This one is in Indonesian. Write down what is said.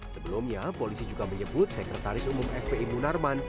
sebelumnya polisi juga menyebut sekretaris umum fpi munarman